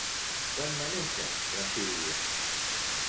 Quan va néixer la Sílvia?